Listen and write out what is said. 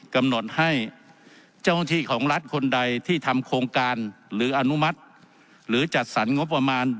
กำหนดให้เจ้าหน้าที่ของรัฐคนใดที่ทำโครงการหรืออนุมัติหรือจัดสรรงบประมาณ